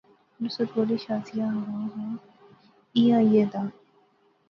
نصرت بولی، شازیہ ہاں خاں ایہھاں ایہہ دا